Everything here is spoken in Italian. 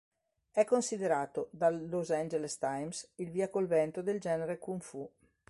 È considerato dal Los Angeles Times "Il Via col Vento del genere Kung-Fu".